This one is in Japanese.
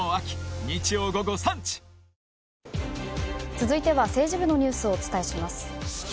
続いては政治部のニュースをお伝えします。